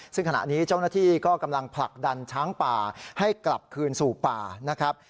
ซึ่งขณะนี้เจ้าหน้าที่ก็กำลังผลักดันช้างป่าให้กลับคืนสู่ป่านะครับ